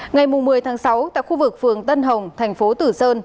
ngày một mươi tháng sáu tại khu vực phường tân hồng tp tử sơn